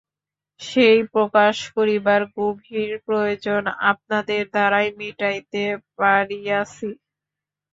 সেই প্রকাশ করিবার গভীর প্রয়োজন আপনাদের দ্বারাই মিটাইতে পারিয়াছি।